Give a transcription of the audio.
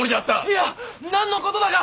いや何の事だか！